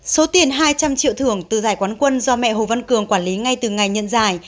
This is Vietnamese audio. số tiền hai trăm linh triệu thưởng từ giải quán quân do mẹ hồ văn cường quản lý ngay từ ngày nhân giải